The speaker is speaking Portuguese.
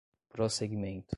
prosseguimento